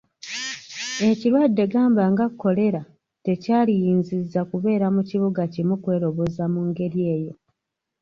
Ekirwadde gamba nga kkolera, tekyaliyinzizza kubeera mu kibuga kimu kweroboza mu ngeri eyo.